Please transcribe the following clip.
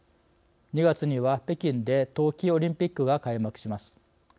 ２月には北京で冬季オリンピックが開幕します。